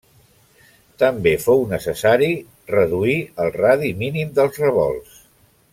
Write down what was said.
També fou necessari reduir el radi mínim dels revolts.